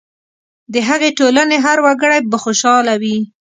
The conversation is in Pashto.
د هغې ټولنې هر وګړی به خوشاله وي.